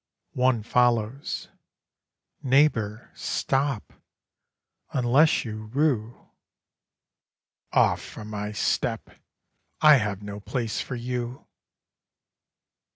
One follows. Neighbour, stop! unless you rue. "Off from my step! I have no place for you."